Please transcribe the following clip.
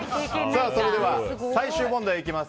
それでは最終問題です。